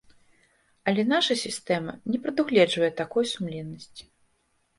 Але наша сістэма не прадугледжвае такой сумленнасці.